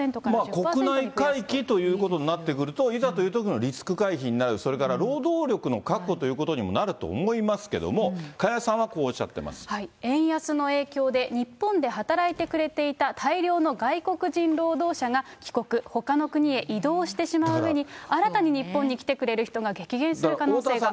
国内回帰にするというと、いざというときのリスク回避になる、それから労働力の確保ということになると思いますけれども、加谷円安の影響で、日本で働いてくれていた大量の外国人労働者が帰国、ほかの国へ移動してしまううえに、新たに日本に来てくれる人が激減する可能性が。